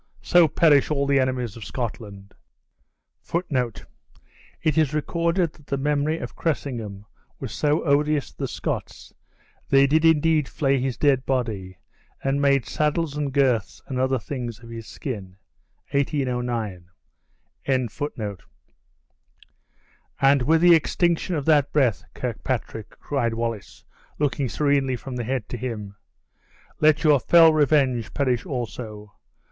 So perish all the enemies of Scotland!" It is recorded that the memory of Cressingham was so odious to the Scots, they did indeed flay his dead body, and made saddles and girths and other things of his skin. (1809.) "And with the extinction of that breath, Kirkpatrick," cried Wallace, looking serenely from the head to him, "let your fell revenge perish also.